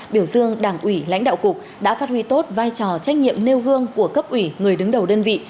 biểu dương đảng ủy lãnh đạo cục đã phát huy tốt vai trò trách nhiệm nêu gương của cấp ủy người đứng đầu đơn vị